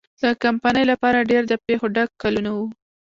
د کمپنۍ لپاره ډېر د پېښو ډک کلونه وو.